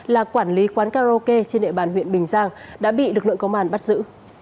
là quản lý quán karaoke trên địa bàn huyện bình giang đã bị lực lượng công an bắt giữ